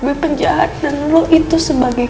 lebih penjahat dan lo itu sebagai